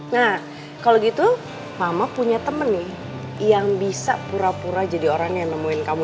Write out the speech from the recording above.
nah kalau gitu mama punya temen nih yang bisa pura pura jadi orang yang nemuin kamu